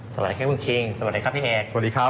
สวัสดีครับคุณคิงสวัสดีครับพี่แม็กซ์